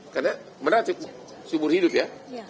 karena benar sih si umur hidup ya